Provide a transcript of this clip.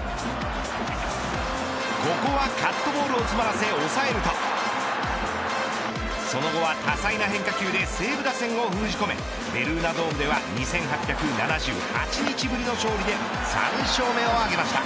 ここはカットボールを詰まらせ抑えるとその後は多彩な変化球で西武打線を封じ込めベルーナドームでは２８日ぶりの勝利で３勝目を挙げました。